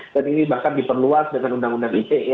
dan ini bahkan diperluas dengan undang undang ite